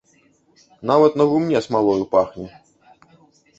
Нават на гумне смалою пахне.